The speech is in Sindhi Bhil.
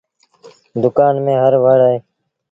دُڪآن ميݩ هر وڙ اهي۔